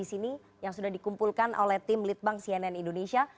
ini yang sudah dikumpulkan oleh tim liputan cnn indonesia